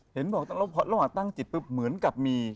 เห็นบอกตั้งละหวะตั้งจิตปุ๊บเหมือนกับมี